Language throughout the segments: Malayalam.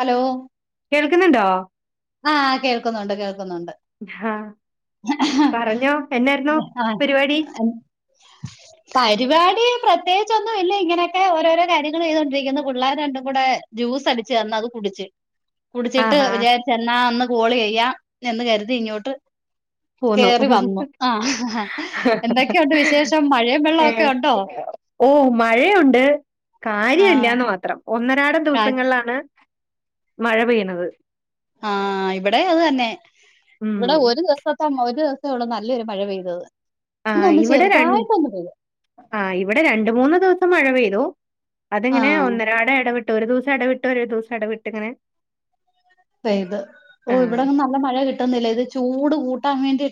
ഹലോ കേൾക്കുന്നുണ്ടോ ആഹ് കേൾക്കുന്നുണ്ട് കേൾക്കുന്നുണ്ട് ആഹ് ആഹ ആഹാ പരിപാടി? അത് പരിപാടി പ്രത്യേകിച്ചൊന്നും ഇല്ല ഇങ്ങനെയൊക്കെ ഓരോരോ കാര്യങ്ങൾ ചെയ്തുകൊണ്ടിരിക്കുന്നു പിള്ളേർ രണ്ടും കൂടെ ജ്യൂസ് അടിച്ച് തന്ന് അത് കുടിച്ച് കുടിച്ചിട്ട് ആഹാ വിജാരിച്ചെന്നാ ഒന്ന് കോൾ ചെയ്യാം എന്ന് കരുതി ഇങ്ങോട്ട് കേറി വന്നു ആഹ് എന്തൊക്കെയുണ്ട് വിശേഷം മഴയും വെള്ളമൊക്കെ ഏഹ് ഉണ്ടോ ഓ മഴയുണ്ട് ആഹ് കാര്യല്ലന്ന് മാത്രം ഒന്നരാടം ദിവസങ്ങളിലാണ് മഴ പെയ്യണത് ആഹ് ഇവിടെ അത് തന്നെ ഉം. ഇവിടെ ഒരു ദിവ ത്തം ഒരു ദിവസേ ഉള്ളൂ നല്ലൊരു മഴ പെയ്തത് ആഹ് ഇന്നൊന്ന് ഇവിടെ ര ചെറുതായിട്ടൊന്ന് പെയ്തു ആഹ ഇവിടെ രണ്ട് മൂന്ന് ദിവസം മഴ പെയ്തു അതിങ്ങനെ ആഹ് ഒന്നരാട ഇടവിട്ടു ഒരു ദിവസം ഇടവിട്ട് ഒരു ദിവസം ഇടവിട്ട് ഇങ്ങനെ പെയ്ത് ഓ ആ ഇവിടെങ്ങും നല്ല മഴ കിട്ടുന്നില്ല ഇത് ചൂട് കൂട്ടാൻ വേണ്ടി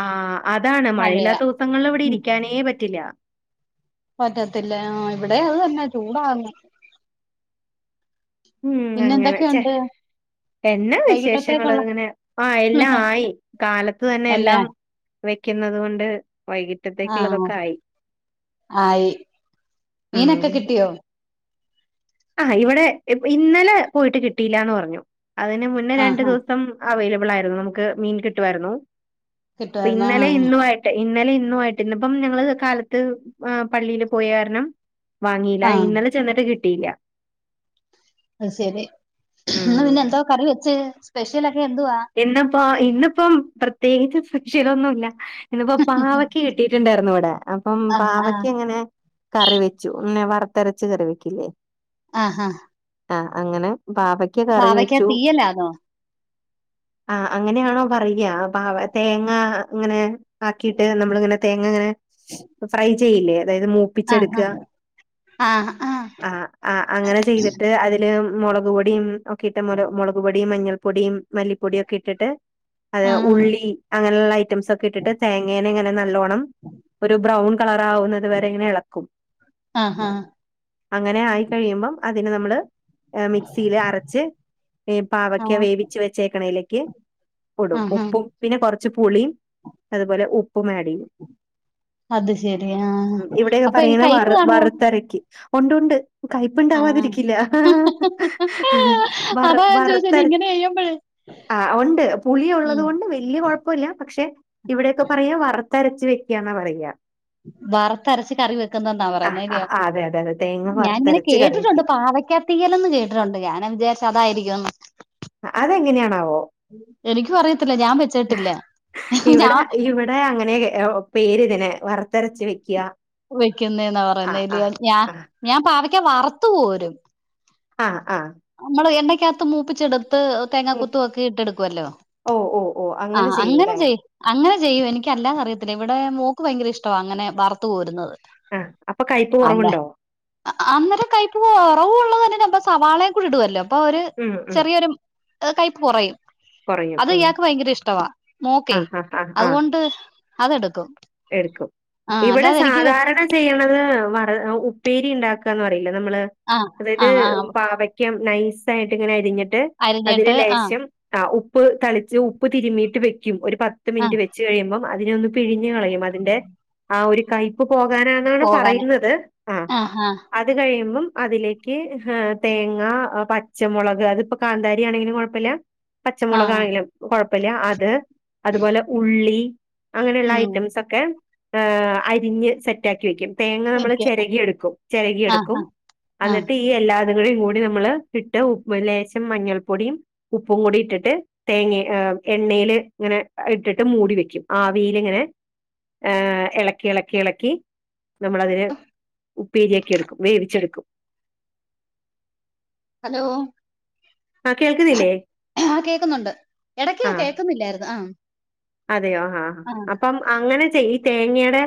ആഹ് അതാണ് മഴയില്ലാത്ത ദിവസങ്ങളിൽ ഇവിടെ ഉം ഇരിക്കാനേ പറ്റില്ല പറ്റത്തില്ല ആഹ് ഇവിടെ അത് തന്നെ ചൂടാന്ന് ഉം പിന്നെ അങ്ങനെ ചെ എന്തൊക്കെയുണ്ട് എന്നാ വിശേഷങ്ങള് വൈകിട്ടത്തേക്കുള്ള അങ്ങനെ ആഹ എല്ലാം ആയി കാലത്ത് തന്നെ അല്ലേ എല്ലാം വെക്കുന്നത് കൊണ്ട് വൈകിപ്പോ ആ ഉച്ചത്തേക്കുള്ളതൊക്കെ ആയി ആയി ഉം മീനൊക്കെ കിട്ടിയോ ആഹ് ഇവിടെ ഇന്നലെ പോയിട്ട് കിട്ടിയില്ലാന്ന് പറഞ്ഞു അതിന് മുന്നേ രണ്ടു ആഹ് ആഹ് ദിവസം അവൈലബിൾ ആയിരുന്നു നമുക്ക് മീൻ കിട്ടുമായിരുന്നു അപ്പ കിട്ടുവായിരുന്നോ ഇന്നലെ ആഹ് ഇന്നു ഇന്നലെ ഇന്നു ആയിട്ട് ഇന്നിപ്പം ഞങ്ങള് കാലത്ത് പള്ളിയില് പോയാര്ണം വാങ്ങിയില്ല ആഹ് ഇന്നലെ ചെന്നിട്ട് കിട്ടിയില്ല അത്ശരി ഇന്ന് പിന്നെ ഉം എന്തോ കറി വെച്ച് സ്പെഷ്യലൊക്കെ എന്തുവാ ഇപ്പോ ഇന്നിപ്പം പ്രത്യേകിച്ച് സ്പെഷലൊന്നുമല്ല ഇന്നിപ്പോ പാവക്ക കിട്ടിട്ടുണ്ടായിരുന്നു ഇവിടെ അപ്പം ആഹ് ആഹ് പാവക്ക ങ്ങനെ കറി വെച്ചു ന്നെ വറുത്തെരച്ച് കറി വെക്കില്ലേ ആഹ് ആഹ് ആഹ് അങ്ങനെ പാവ പാവക്കാ തീയല്ലാന്നോ ആഹ് അങ്ങനെയാണോ പറയാ പാ തേങ്ങ ങ്ങനെ ആക്കിയിട്ട് നമ്മളിങ്ങനെ തേങ്ങങ്ങനെ ഫ്രൈ ചെയ്യില്ലേ അതായത് മൂ ആഹ് പ്പിച്ചെടുക്കാ ആഹ് ആഹ് അങ്ങനെ ചെയ്തിട്ട് അതി ല് മുളക് പൊടിം ഒക്കെ ഇട്ട് മുളക് പൊടിയും മഞ്ഞൾ പൊടിയും മല്ലിപ്പൊടിയൊക്കെ ഇട്ടിട്ട് അത് ആഹ് ഉള്ളി അങ്ങനെയുള്ള ഐറ്റംസ് ഒക്കെ ഇട്ടിട്ട് തേങ്ങേനെങ്ങനെ നല്ലോണ ണം ഒരു ബ്രൗൺ കളറാകുന്നത് വരെ ഇങ്ങനെ എളക്കും ആഹ് അങ്ങനെ ആയി കഴിയുമ്പം അതിന് നമ്മള് മിക്സിയിൽ അരച്ച് ഈ പാവക്ക ആഹ് വേവി ച്ച് വെച്ചേക്കണയിലേക്ക് ഇടും ആഹ് ആഹ് ഉപ്പും പിന്നെ കുറച്ച് പുളിയും അതുപോലെ ഉപ്പും ആഡ് ചെയ്യും അത് ശരി ആഹ് ഉം ഇവിടെയൊക്കെ അപ്പൊ ഈ പറയ്ണേ കയ്പ്പ് വറ് കാണുവോ വറുത്തരക്കാ ഉണ്ടുണ്ട് ആഹ് കയ്പ്പുണ്ടാവാതിരിക്കില്ല വറ് അതാ ഞാൻ ചോദിച്ചത് വറ്ത്തര [unintelligible] ആഹ് ഉണ്ട് പുളി ഉം ഉള്ളത് കൊണ്ട് വല്ല്യ കുഴപ്പില്ല പക്ഷെ ഇവിടെയൊക്കെ പറയാ വ ത്തരച്ച് വെക്ക്യാന്നാ പറയാ വറുത്തരച്ച് കറി വെക്കുന്നന്നാ ആ ആ പറയുന്നേല്യോ ആ, അതെ അതെ അതെ തേങ്ങ ഞാനിങ്ങനെ വറുത്തരച്ച് കറി കേട്ടിട്ടുണ്ട് വെക്ക പാവയ്ക്കത്തീയലെന്ന് കേട്ടിട്ടുണ്ട് ഞാൻ വിചാരിച്ചു അതായിരിക്കുംന്ന് അതെങ്ങനെയാണാവോ എനിക്കും അറിയത്തില്ല ഞാൻ വെച്ചിട്ടില്ല ഞാ ഇവിടെ ഇവിടെ അങ്ങനെ പേര്തിനെ വറ്ത്തരച്ച് വെക്ക്യാ വെക്കുന്നേന്നാ പറയുന്നേ ഞാൻ ഞാൻ പാവക്കാ വറുത്തു കോരും ആഹ് ആഹ് നമ്മള് എണ്ണക്കകത്ത് മൂപ്പിച്ചെടുത്ത് തേങ്ങ ഉം കുത്ത് ഒക്കെ ഇട്ടെടുക്കുവല്ലോ ഓ ഓ ഓ ആഹ് ചെയ്യൂലേ അങ്ങനെ ചെയ അങ്ങനെ ചെയ്യും എനിക്കല്ലാ അറിയത്തില്ല ഇവിടെ മോക്ക് ഭയങ്കര ഇഷ്ടമാണ് അങ്ങനെ വറുത്തു കോരുന്നത് ആഹ് അപ്പൊ കയ്പ്പ് അല്ല കുറവുണ്ടാവും അന്നേരം കൈപ്പ് കുറവുള്ളത് തന്നെ സവാളയും കൂടി ഇടുല്ലോ അപ്പൊ ഒരു ഉം ഉം ചെറിയൊരു കൈപ്പ് കുറയും കുറയും അത് ഉം ഇയാക്ക് ഭയങ്കര ഇഷ്ടവാ ആ മോക്കെ ആ ആ ആ അതുകൊണ്ട് അതെടുക്കും എടുക്കും ആഹ് ഇവിടെ അല്ലാതെ എനിക്ക് സാധാരണ ചെയ്യണത് വറ് ഉപ്പേരി ഉണ്ടാക്കാന്ന് പറയില്ലേ നമ്മള് ആ ആ അതായത് ആ പാവക്കം നൈസ് ആയിട്ട് ഇങ്ങനെ അരിഞ്ഞിട്ട് അതിന് അരിഞ്ഞിട്ട് ആ ലേശം ആഹ്, ഉപ്പ് തളിച്ച്, ഉപ്പ് തിരുമീയിട്ട് വെക്കും, ഒരു പത്ത് ആ മിനിറ്റ് വെ ച്ച് കഴിയുമ്പം അതിനോന്ന് പിഴിഞ്ഞു കളയും. അതിന്റെ ആഹ് ഒരു കൈ പ്പ് പോകാനാ ന്നാണ് പോകാന് പറയുന്നത്. ആഹ് ആ ആ അത് കഴിയുമ്പം അതിലേക്ക് തേങ്ങ പച്ചമുളക് അതിപ്പോ കാന്താരിയാണെങ്കിലും കുഴപ്പില്ല. ആ പച്ചമുളകാണെങ്കിലും കൊഴപ്പല്ല അത്. അതുപോലെ ഉള്ളി. അങ്ങനെയുള്ള ഉം ഐറ്റംസൊക്കെ അരിഞ്ഞ് സെറ്റാക്കി വെക്കും. തേങ്ങ നമ്മൾ എനിക്ക് ചെരകി എടുക്കും. ആ ചെരകിയെടുക്കും ആ എന്നിട്ട്. ഈ എല്ലാതും കൂടി നമ്മൾ ഇട്ട് ഉപ്പും ലേശം മഞ്ഞൾ പൊടിയും ഉപ്പും കൂടി ഇട്ടിട്ട് തേങ്ങ എണ്ണേൽ ഇങ്ങനെ ഇട്ടിട്ട് മൂടി വെക്കും. ആവിയിൽ ഇങ്ങനെ, ഇളക്കി, ഇളക്കി, ഇളക്കി നമ്മളതിനെ ഉപ്പെരിയാക്കി എടുക്കും വേവിച്ചെടുക്കും. ഹലോ ആ കേൾക്കുന്നില്ലേ ആഹ്, കേക്കുന്നുണ്ട്. ഇടക്ക് ആ കേക്കുന്നില്ലായിരുന്നു. ആഹ് അതെയോ ആഹ്, അപ്പം അങ്ങനെ ചെയ്. തേങ്ങെടെ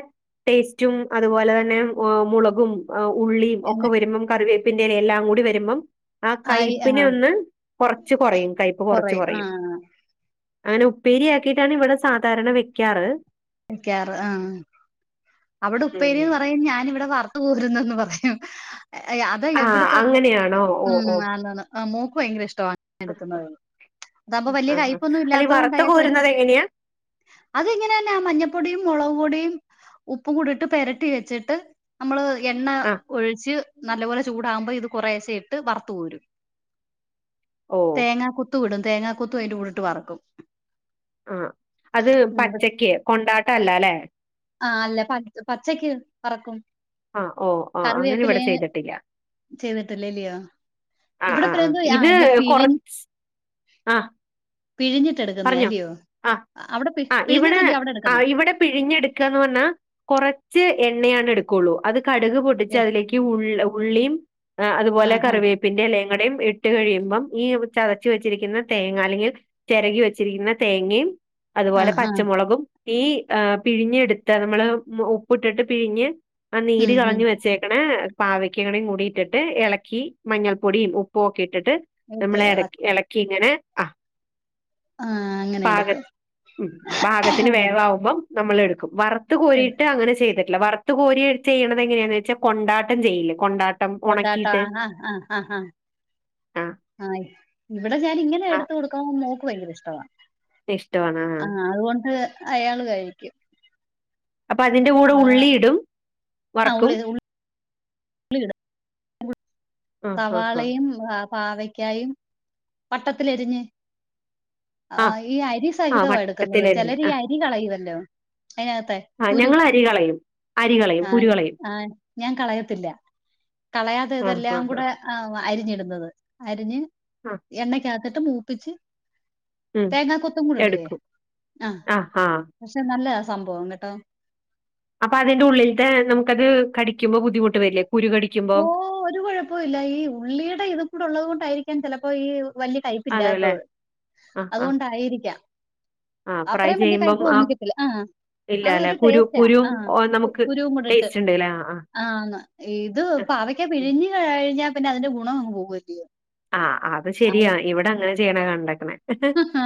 ടേസ്റ്റും അതുപോലെ തന്നെ ഹേ മുളകും. ഉള്ളീം ഒക്കെ എന്നെ വരുമ്പം കറിവേപ്പിന്റെല എല്ലാം കൂടി വരുമ്പം. ആഹ്, ആയി ആ കയ്പ്പിനെ ഒന്ന് കൊറച്ച് കുറയും. കയപ്പ് കൊറേ കുറച്ച് ആ കുറയും. അങ്ങനെ ഉപ്പേരിയാക്കിട്ടാണ് ഇവിടെ സാധാരണ വെക്കാറ്. ക്കാറ്. ആഹ്, അവിടെ ഉം. ഉപ്പേരിന്ന് പറയും ഞാനിവിടെ വർ ത്ത് കോര്ന്നുന്ന് പറയും. അ അതെന്നെ ആ ഇവിടെത്തെ മൊ അങ്ങനെയാണോ ഓ ഓ ഉം അങ്ങന മോക്ക് ഭയങ്കര ഇഷ്മാണ് എടുക്കുന്നത്. അതാവുമ്പ വലിയ ആ ആ. കയ്പ്പൊന്നും അല്ല ഈ ഇല്ലാത്തത് വറുത്ത് കൊണ്ടയാക്ക് വെ കോരുന്നത് എങ്ങനെയാ അതെങ്ങനെ. പിന്നെ മഞ്ഞപ്പൊടിയും മുളക പൊടിയും ഉപ്പും കൂടിട്ട് പെരട്ടി വെച്ചിട്ട് നമ്മള്. എണ്ണ ആ ഒഴിച്ച് നല്ല പോലെ ചൂടാകുമ്പോ ഇത് കൊറേശ ഇട്ട് വറുത്തു കോരും. ഓ തേങ്ങ കൊ ത്ത് ഇടും, തേങ്ങാ കുത്തും അതി്ന്റെ കൂടെഇട്ട് വറക്കും. ആഹ്, അത് ഉം. പച്ചക്ക്, കൊണ്ടാട്ട അല്ല ലെ? ആഹ് അല്ല പ പച്ചക്ക് വറക്കും. ആഹ്, ഓ അങ്ങനെ ഇവിടെ ചെയ്തിട്ടില്ല. ചെയ്തട്ടല്ല ല്ലയോ? ഇവിടെപ്പ എന്ത ആ അ പിഴിൻ. ആഹ് പിഴിഞ്ഞിട്ട എടുക്കുന്നേ അല്ലയോ? ആ അവിടെ ആ ഇവിടെ പിഴിഞ്ഞിട്ടല്ലോ അവിടെ ആ എടുക്കുന്നേ? ഇവിടെ പിഴിഞ്ഞെടുക്കാന്ന് പറഞ്ഞാൽ, കുറച്ച് എണ്ണയാണ് എടുക്കുള്ളൂ. അത് കടുക് പൊടിച്ച് അതിലേക്ക്. ഉള്ള ഉള്ളീം അ ആ അതുപോലെ ആ കറിവെ പിന്നെ, ലേങ്കടെയും ഇട്ട് കഴിയുമ്പം ഈ ചതച്ച് വെച്ചിരിക്കുന്ന തേങ്ങ അല്ലെങ്കിൽ ചിരകി വെ വച്ചിരിക്കുന്ന തേങ്ങയും ആ അതുപോലെ ആ പച്ചമുളകും. ഈ അ പിഴിഞ്ഞെടുത്ത നമ്മള് ഉപ്പിട്ടിട്ട് പിഴിഞ്ഞ്. ആഹ്, നീര് ഉം കളഞ്ഞു വെച്ചേക്ക ണേ? പാവക്കയും കൂടി ഇട്ടിട്ട്. ഇള ക്കി മഞ്ഞൾപ്പൊടിയും ഉപ്പും ഒക്കെ ഇട്ടിട്ട്. നമ്മളേ ഇട ഉം ഇളക്കി ഇങ്ങനെ. ആ ആഹ് അങ്ങ പാക ഉം പാകത്തിന് വേവവുമ്പം നമ്മൾ എടുക്കും. വറുത്ത് കോരിയിട്ട് അങ്ങനെ ചെയ്ത ല്ല വറു കോരി ചെയ്യണത എങ്ങനെയാന്ന് വെച്ചാ, കൊണ്ടാട്ടം ചെയ്യിേല്ലെ? കൊണ്ടാട്ടം. കൊണ്ടാട്ട ഉണക്കിയിട്ട് ആഹ്, ആഹ്, ആഹ്, ആഹ് ആഹ ആഹ്, ഇവിടെ ഞാന ഇങ്ങനെ ആഹ് എടുത്ത കൊടുക്കാണത് മോക്ക് ഭയങ്കര ഇഷ്ടവ. ആഹ്, അതുകൊണ്ട് അയാൾ കഴിക്കും. അപ്പൊ അതിന്റെ കൂടെ ആഹ് ഉള്ളി ഇടും ആഹ് വറക്കും. ഉള്ളി ഉള്ളി ആഹ് ആഹ് ആഹ് സവാളയും പാവക്കായും വട്ടത്തില് എരിഞ്ഞ്. ആ ആഹ് ഈ അരി ആഹ് സഹിതമാണ് എടുക്കുന്നത്. വട്ടത്തിലരിഞ്ഞ് ചെലര് ഈ അരി കളയുമല്ലോ. അയ്നകത്തെ, ആ ഞങ്ങള് അരി കളയും. അരി കളയും ആ് കുരു കളയും ആഹ ഞാൻ കളയത്തില്ല കളയാതെ ആഹ് ഇതെല്ലാം ആഹ് കൂടെ, ആ അരിഞ്ഞിടുന്നത് അരിഞ്ഞ് ആഹ് എണ്ണക്കകത്തിട്ട് മൂപ്പിച്ച് ഉം തേങ്ങാ കൊത്തും കൂടി ഇടുവേ. എടുക്കും ആ ആഹ് ആഹ് പക്ഷെ നല്ലതാ സംഭവം കേട്ടോ. അപ്പൊ അതിന്റെ ഉള്ളിലത്തെ നമുക്ക്ത് കടിക്കുമ്പോ ബുദ്ധിമുട്ട് വരില്ലേ കുരു കടി ഓ ഒരു കുഴപ്പ ഇല്ല, ഈ ഉള്ളിയുടെ ഇത് കൂടെ ഉള്ളത് കൊണ്ടായിരികാം ചെലപ്പോ ഈ വലിയ കൈപ്പ് അതെല്ലേ ഇല്ലാത്തത് ആഹ് ആഹ് അതുകൊണ്ടായിരക്കാം. ആഹ് ഫ്രൈ അത്രയും വലിയ ചെയ്യുമ്പം കൈപ്പ് തോന്നിക്കത്തില്ല ആ ഇല്ല അല്ലെ അതൊരു കുരു ടേസ്റ്റാ കുരും ആ ഓഹ് നമുക്ക് കുരുവും കൂടിട്ട് ടേസ്റ്റ് ഉണ്ട്ല്ലേ ആഹ് ആന്ന് ഇത് പാവയ്ക്ക ആഹ്. പിഴിഞ്ഞ് കഴിഞ്ഞാ പിന്നെ അതിന്റെ ഗുണം അങ്ങ് പോകുവല്ലോ. ആഹ അത് ശരിയാ ഇവിടെ അങ്ങനെ ചെയ്യണ കണ്ടക്കണെ. ആ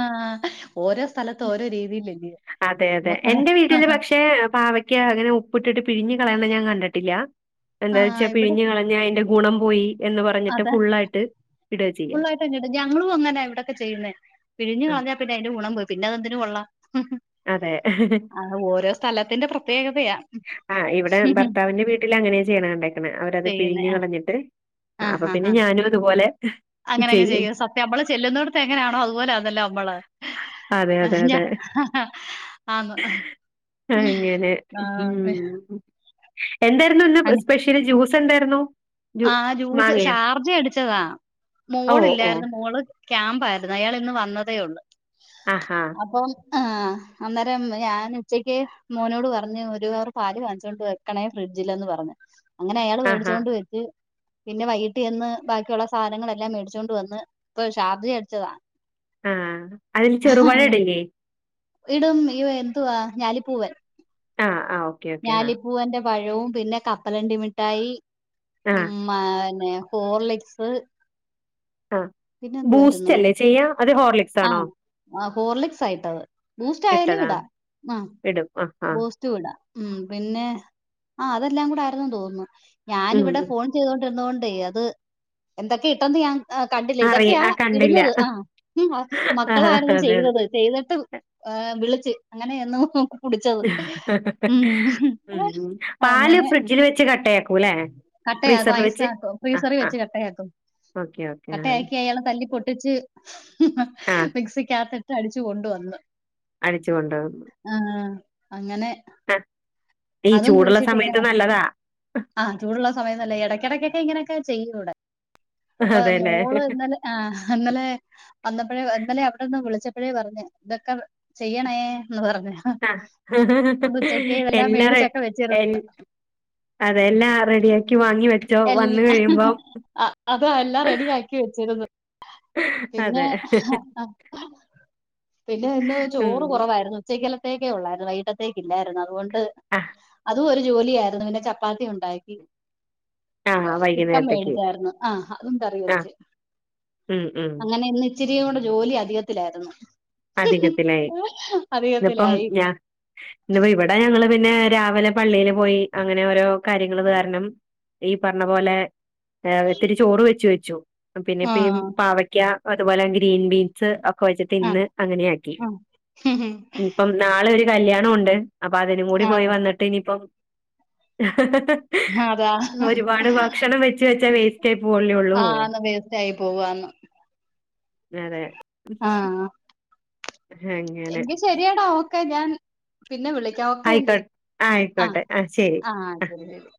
ഓരോ സ്ഥലത്ത് ഓരോ രീതിയിലല്ലോയോ ചെയ്യ. അതെ അതെ എന്റെ വീട്ടില് പക്ഷെ പാവക്ക് അങ്ങനെ ഉപ്പിട്ടിട്ട് പിഴഞ്ഞു കളയണെ ഞാൻ കണ്ടിട്ടില്ല. ആ എന്താ വെച്ചാ ഇവിടെ പിഴിഞ്ഞ് കളഞാ അയ്ന്റെ ഗുണം പോയി എന്ന് പറഞ്ഞിട്ട് ഫുള്ളായിട്ട് ഇടാ ചെയ്യാ. ഞങ്ങള് അങ്ങാനാവിടൊക്കെ ചെയ്യുന്നേ, പിഴിഞ്ഞ് ആഹ് കളഞ്ഞാ പിന്നെ അയ്ന്റെ ഗുണം പോയി പിന്നെ അതെന്തിനും കൊള്ളാം. അതെ. അ ഓരോ സ്ഥലത്തിന്റെ പ്രത്യേകതയാ. ആ് ഇവിടെ ഭർത്താവിന്റെ വീട്ടിൽ അങ്ങനെയ ചെയ്യണ കണ്ടേക്കെണെ അവരത് ചെയ്യുന്നേ. പിഴിഞ്ഞു കളഞ്ഞിട്ട്, ആ. അപ്പ ആ. പിന്നെ ആ. ഞാനും അതുപോലെ, അങ്ങനെ അങ് ചെയ്യും. സത്യം നമ്മള് ചെല്ലുന്നടത്തെ എങ്ങനെയാണോ അതുപോലെ ആണല്ലോ നമ്മള്. അതെ ആ അതെ അതെ ഹ ആന്നൊ. അങ്ങനെ ഉം. എന്തേരുന്നു ഇന്ന് അങ് സ്പെഷ്യല് ജ്യൂസ് എന്തായിരുന്നു. ജൂ ആ ജ്യൂസ് മാങ്ങയോ? ഷാർജ അടിച്ചതാ. ഓ! ഓ! മോളില്ലായിരുന്നു മോള് ക്യാമ്പആയിരുന്നു, അയാൾ ഇന്ന് വന്നതേ ഉള്ളൂ. ആഹാ. അപ്പം ആ് അന്നേരം ഞാന് ഉച്ചക്ക് മോനോട് പറഞ്ഞു ഒരു പാല് വാങ്ങിച്ചോണ്ട് വരാൻ വെക്കണേ ഫ്രഡ്ജിൽന്ന് പറഞ്ഞ് അങ്ങനെ അയാൾ ആഹാ! മേടിച്ചുകൊണ്ട് വര പിന്നെ വൈകിട്ടയെന്ന് ബാക്കിയുള്ള സാധനങ്ങളെല്ലാം മേടിച്ചൊണ്ട് വന്ന്. ഇപ്പൊ ഒരു ഷാർജ അടിച്ചതാ. ആഹ അതില് ചെറുപയം ഇടില്ലേ. ഇടും ഇയ്യോ എന്തുവാ, ഞാലിപ്പൂവൻ. ആ ആ ഓ. ഞാലിപ്പൂവന്റെ പഴവും, പിന്നെ കപ്പലണ്ടി മിഠായി ആ, ഉം. [unintelligible] ഹോർലിക്സ്. ആഹ പിന്നെ ബൂസ്റ്റ് എന്തുവായിരുന്നു അല്ലേ ചെയ്യ അതോ ഹോർലിക്സ് ആണോ ആഹ് ആഹ് ഹോർലിക്സ് ആയിട്ടത് ബൂസ്റ്റ് ആയാലും ഇട്ടതാ ഇടാം ആഹ് ഇടും. ആ ആ. [unintelligible] പിന്നെ ആ അതെല്ലാം കൂടെ ആരുന്നു തോന്നുന്നു ഉം, ഞാനിവിടെ ഉം. ഫോൺ ചെയ്തോണ്ടിരിന്നതോണ്ടേ അത് എന്തൊക്കെ ഇട്ടെന്ന് ഞാൻ അ കണ്ടില്ല അറി ഇതൊക്കെയാ ആ കണ്ടില്ല. ഇടുന്നത്. ആ ആഹാ! മക്കളാരുന്നു അതെ, അതെ. ചെയ്തത്. ചെയ്തിട്ട് ഏഹ് വിളിച്ച് അങ്ങനെയെന്നു കുടിച്ചത് ഉം ഉം, ഉം. പാല് അങ്ങനെ ഫ്രിഡ്ജില് വെച്ച് കട്ടയാക്കു ലേ? കട്ടയാക്കും ഐസാക്കും ഫ്രീസെറി ആ. വെച്ച് കട്ടയാക്കും ഓക്കെ ഓക്കെ ആ. കട്ടയാക്കി അയാള് തല്ലി പൊട്ടിച്ച് ആ, മിക്സിക്കകത്തിട്ട് അടിച്ചു കൊണ്ടു വന്ന് അടിച്ചു കൊണ്ടു വന്ന് ആഹ് അങ്ങനെ [unintelligible] ഈ ചൂടുള്ള സമയത്ത് നല്ലതാ ആഹ് ചൂടുള്ള സമയം നല്ലെയ എടക്കെടക്കൊക്കെ ഇങ്ങനെയൊക്ക ചെയ്യൂ ഇവ്ടെ അപ്പൊ അതെല്ലേ മോള് ഇന്നലെ ആഹ് ഇന്നലെ വന്നപ്പഴേ ഇന്നലെ അവിടെന്ന് വിളിച്ചപ്പഴേ പറഞ്ഞു ഇതൊക്കെ ചെയ്യണേ എന്ന് പറഞ്ഞു ആഹ് അതുകൊണ്ട് ഉച്ചയ്ക്ക് ഇതെല്ലാം എല്ലാറെ മേടിച്ചൊക്കെ വെച്ചിരുന്നു. എല്ല അതെ എല്ലാം റെഡിയാക്കി വാങ്ങി വെച്ചു എല്ല അത് എല്ലാം റെഡിയാക്കി വെച്ചേക്കുന്നു പിന്നെ അതെ പിന്നെ ഇന്ന് ഉം ചോറ് കൊറവായിരുന്നു ഉച്ചക്കലത്തേക്കെ ഒള്ളായിരുന്നു വൈകിട്ടത്തേക്ക് ഇല്ലായിരുന്നു അതുകൊണ്ട് ആ അതും ഒരു ജോലിയാരുന്നു പിന്നെ ചപ്പ പ്പാത്തി ഉണ്ടാക്കി ആ ചിക്കം വൈകുന്നേരത്തേക്ക് മേടിച്ചായിരുന്നു ആ അതും കറി ആ വെച്ച് ഉം ഉം അങ്ങനെ ഇന്ന് ഇച്ചിരിയേം കൂടെ ജോലി അധികത്തിലായിരുന്നു അധികത്തിലായി ഇന്ന്പ്പം അധികത്തിലായി ഞാൻ ഇന്ന് ഇപ്പം ഇവിടെ ഞങ്ങള് പിന്നെ രാവിലെ പള്ളിയില് പോയി അങ്ങനെ ഓരോ കാര്യങ്ങള് കാരണം ഈ പറഞ്ഞ പോലെ ഇത്തിരി ചോറ് വെച്ച് വെച്ചു പിന്നെ ആ ഇപ്പയീ പാവ യ്ക്ക അതുപോലെ ഗ്രീൻ ബീൻസ് ഒക്കെ വെച്ചിട്ട് ആ ഇന്ന് അങ്ങനെ ആക്കി ആ ഇപ്പം നാളെ ഒരു കല്യാണമുണ്ട് അപ്പൊ അതിനും കൂടി ആ പോയി വന്നിട്ട് ഇനിയിപ്പം അതാ ഒരുപാട് ഭക്ഷണം വെച്ച് വെച്ചാ വേസ്റ്റ് ആയി പോവോലോ ആഹ് ആന്ന് വേസ്റ്റായി പോവാന്ന് അതെ ആഹ് അങ്ങനെ ന്നാ ശരിയെട ഓക്കെ ഞാൻ പിന്നെ വിളിക്കാം ഒക്കെ എങ്കി ആയിക്കോട്ടെ ആഹ് ആയിക്കോട്ടെ ആ ശരി ആഹ് ആ ശരി ശരി